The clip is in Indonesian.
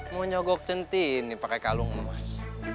mau nyogok centin nih pake kalung emas